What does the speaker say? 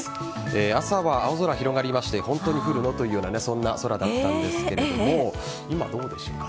朝は青空広がりまして本当に降るのという空だったんですが今どうでしょうか。